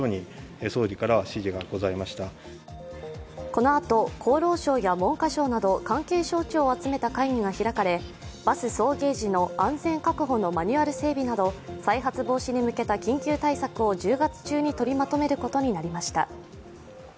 このあと厚労省や文科省など関係省庁を集めた会議が開かれバス送迎時の安全確保のマニュアル整備など再発防止に向けた緊急対策を１０月中に取りまとめることになりました。